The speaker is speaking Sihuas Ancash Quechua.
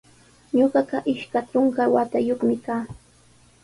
Ñuqaqa ishka trunka watayuqmi kaa.